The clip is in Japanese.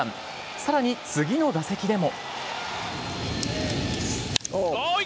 さらに次の打席でも。